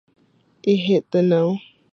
It hit the no.